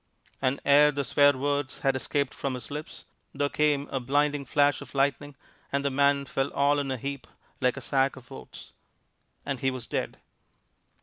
And ere the swear words had escaped from his lips, there came a blinding flash of lightning, and the man fell all in a heap like a sack of oats. And he was dead.